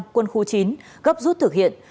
quân khu chín gấp rút thực hiện